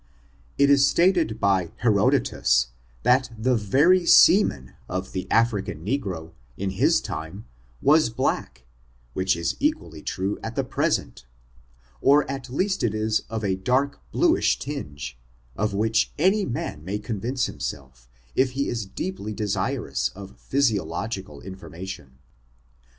It is stated by Herodotus^ that the very semen of the African negro, in his time, was blacky which is equal ly true at the present — or at least it is of a dark blue ish tinge, of which any man may convince himself i^h^k^t^k#^^h^ 266 ORIGIN, CHARACTER, AND if he is deeply desirous of physiological information.